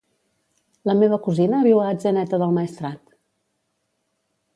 La meva cosina viu a Atzeneta del Maestrat.